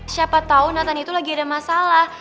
siapa tau nathan itu lagi ada masalah